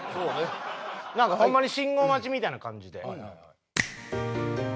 なんかホンマに信号待ちみたいな感じで。